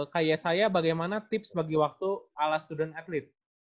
kayak saya bagaimana tips bagi waktu ala student atlet